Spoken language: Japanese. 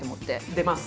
出ます。